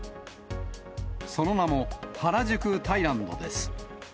その名も、ハラジュク・タイランドです。